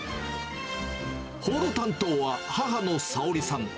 ホール担当は、母の砂織さん。